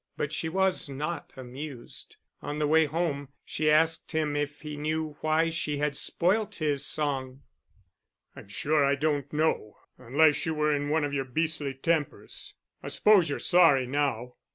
But she was not amused. On the way home she asked him if he knew why she had spoilt his song. "I'm sure I don't know unless you were in one of your beastly tempers. I suppose you're sorry now."